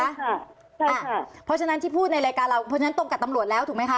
เพราะฉะนั้นที่พูดในรายการเราเพราะฉะนั้นตรงกับตำรวจแล้วถูกไหมคะ